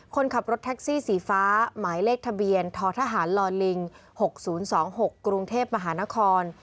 คนขับรถแท็กซี่สีฟ้าหมายเลขทะเบียนททหารลอลิง๖๐๒๖กรุงเทพมหานคร